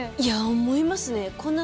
思いますね